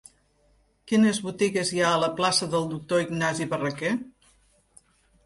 Quines botigues hi ha a la plaça del Doctor Ignasi Barraquer?